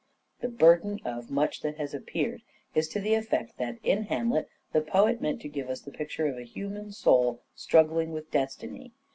The burden of much that has appeared is to the effect that in Hamlet the poet meant to give us the picture of a human soul struggling with Destiny.